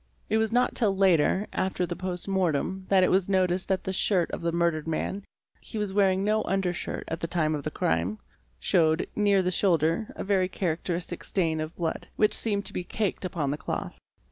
It was not till later, after the post mortem, that it was noticed that the shirt of the murdered man (he was wearing no under shirt at the time of the crime) showed, near the shoulder, a very characteristic stain of blood, which seemed to be caked upon the cloth.